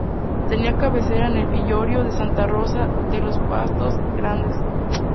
Tenía cabecera en el villorrio de Santa Rosa de los Pastos Grandes.